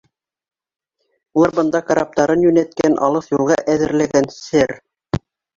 Улар бында караптарын йүнәткән, алыҫ юлға әҙерләгән, сэр.